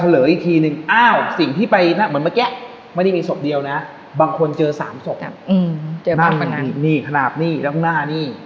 เหมือนเมื่อกี้ไม่ได้มีศพเดียวนะบางคนเจอสามศพหน้าพลิกนี่หน้าพลิกนี่แล้วื่นหลักนี่